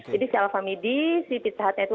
jadi si alphamidi si phd itu